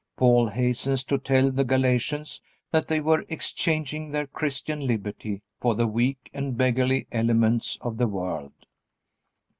Paul hastens to tell the Galatians that they were exchanging their Christian liberty for the weak and beggarly elements of the world.